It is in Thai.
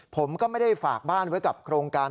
ผมก็ไม่ได้ฝากบ้านไว้กับโครงการ